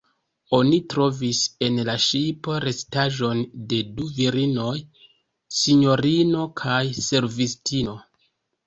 Oni trovis en la ŝipo restaĵon de du virinoj: sinjorino kaj servistino.